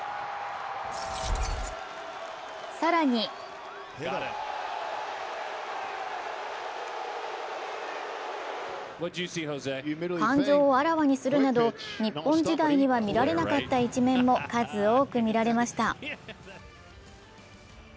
更に感情をあらわにするなど日本時代には見られなかった一面も数多く見られました。